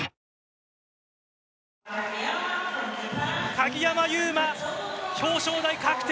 鍵山優真表彰台確定！